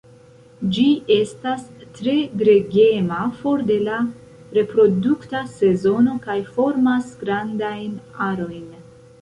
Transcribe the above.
Ĝi estas tre gregema for de la reprodukta sezono kaj formas grandajn arojn.